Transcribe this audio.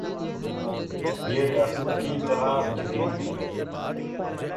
یہ ریاست کی طرح جدید نہیں ہے۔